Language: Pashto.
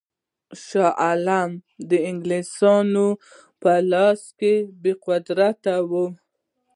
شاه عالم د انګلیسیانو په لاس کې بې قدرته وو.